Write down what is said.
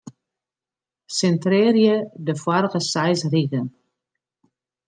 Sintrearje de foarige seis rigen.